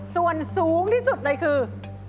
ส่วนสูงที่สุดเลยคือ